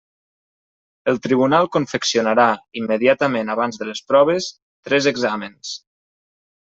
El tribunal confeccionarà, immediatament abans de les proves, tres exàmens.